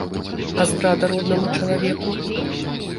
А здрада роднаму чалавеку?